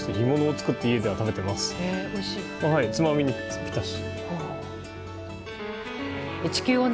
つまみにぴったし。